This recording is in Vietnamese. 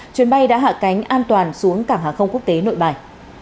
chuyến bay đã hạ cánh an toàn xuống cảng hàng không quốc tế nội bài